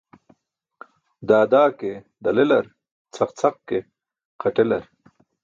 Da da ke dal elar, cʰaq cʰaq ke xaṭ elar.